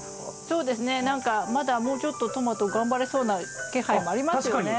そうですね何かまだもうちょっとトマト頑張れそうな気配もありますよね。